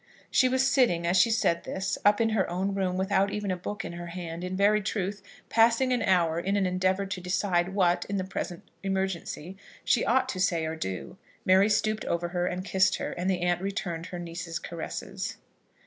She was sitting as she said this up in her own room, without even a book in her hand; in very truth, passing an hour in an endeavour to decide what, in the present emergency, she ought to say or do. Mary stooped over her and kissed her, and the aunt returned her niece's caresses.